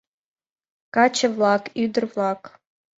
— Каче-влак, ӱдыр-влак!